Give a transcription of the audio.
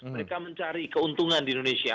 mereka mencari keuntungan di indonesia